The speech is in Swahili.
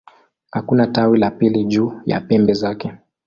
Hakuna tawi la pili juu ya pembe zake.